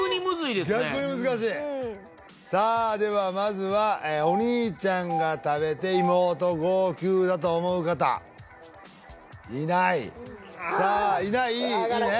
逆に難しいさあではまずはお兄ちゃんが食べて妹号泣やと思う方いないさあいないああいいね？